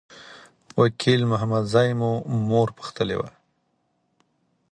وکیل محمدزی مو مور پوښتلي وه.